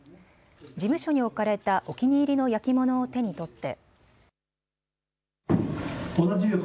事務所に置かれたお気に入りの焼き物を手に取って。